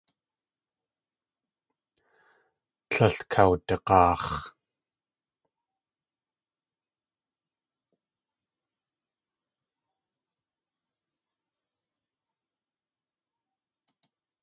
Tlél kawdag̲aax̲.